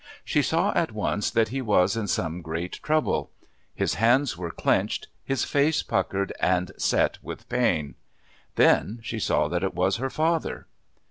She saw at once that he was in some great trouble. His hands were clenched, his face puckered and set with pain. Then she saw that it was her father.